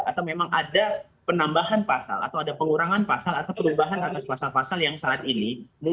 atau memang ada penambahan pasal atau ada pengurangan pasal atau perubahan atas pasal pasal yang saat ini